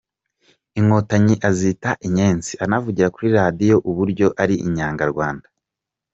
Inkontanyi azita “Inyenzi”anavugira kuri radio uburyo ari inyanganyarwanda.